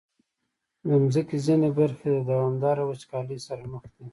د مځکې ځینې برخې د دوامداره وچکالۍ سره مخ دي.